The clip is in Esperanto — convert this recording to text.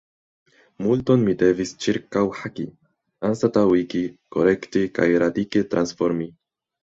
Multon mi devis ĉirkaŭhaki, anstataŭigi, korekti kaj radike transformi.